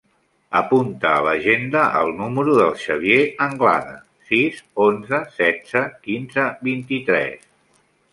Apunta a l'agenda el número del Xavier Anglada: sis, onze, setze, quinze, vint-i-tres.